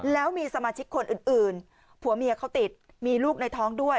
แล้วมีสมาชิกคนอื่นผัวเมียเขาติดมีลูกในท้องด้วย